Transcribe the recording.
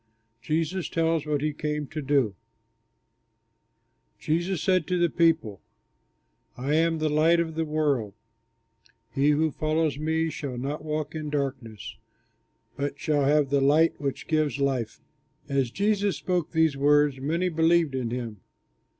JESUS TELLS WHAT HE CAME TO DO Jesus said to the people, "I am the light of the world; he who follows me shall not walk in darkness, but shall have the light which gives life." As Jesus spoke these words many believed in him.